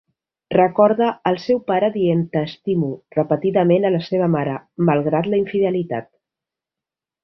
Recorda el seu pare dient "t'estimo" repetidament a la seva mare, malgrat la infidelitat.